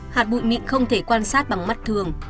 hạt bụi mịn không thể quan sát bằng mắt thường